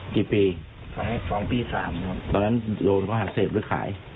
กี่ปีครับตอนนั้น๒ปี๓ครับตอนนั้นโดนเขาหาเสพหรือขาย